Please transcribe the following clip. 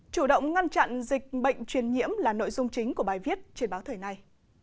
chủ động ngăn chặn dịch bệnh truyền nhiễm là nội dung chính của bài viết trên báo thời này